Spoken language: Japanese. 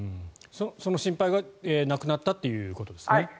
その心配はなくなったということですね。